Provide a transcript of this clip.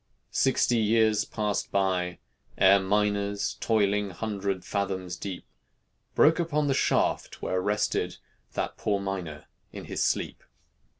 Sixty years passed by, ere miners Toiling, hundred fathoms deep, Broke upon the shaft where rested That poor miner in his sleep.